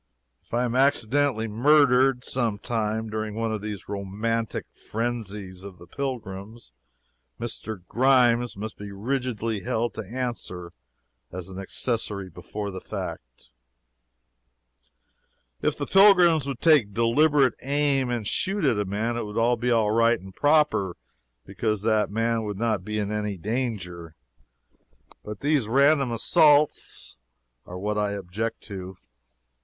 If I am accidentally murdered, some time, during one of these romantic frenzies of the pilgrims, Mr. Grimes must be rigidly held to answer as an accessory before the fact. If the pilgrims would take deliberate aim and shoot at a man, it would be all right and proper because that man would not be in any danger; but these random assaults are what I object to.